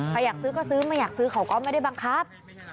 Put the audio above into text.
อยากซื้อก็ซื้อไม่อยากซื้อเขาก็ไม่ได้บังคับ